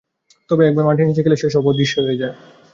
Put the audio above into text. তবে একবার মাটির নীচে গেলে সে সব অদৃশ্য হয়ে যায়।